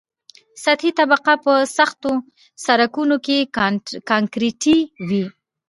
سطحي طبقه په سختو سرکونو کې کانکریټي وي